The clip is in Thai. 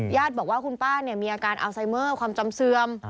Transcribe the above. ญาติบอกว่าคุณป้ามีอาการอัลไซเมอร์ความจำเสื่อม